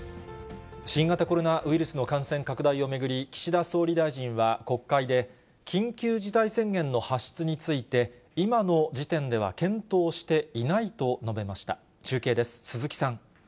新型コロナウイルスの感染拡大を巡り、岸田総理大臣は国会で、緊急事態宣言の発出について、今の時点では検討していないと述べました。